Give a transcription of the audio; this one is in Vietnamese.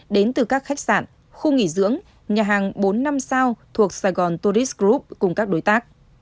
đến từ các khách sạn khu nghỉ dưỡng nhà hàng bốn năm sao thuộc sài gòn tourist group cùng các đối tác